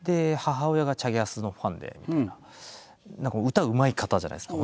歌うまい方じゃないですか